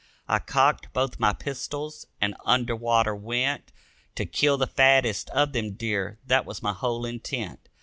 I cocked both my pistols and under water went, To kill the fattest of them deer, that was my whole intent.